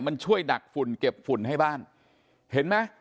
มันช่วยดักฝุ่นเก็บฝุ่นให้บ้านเห็นไหม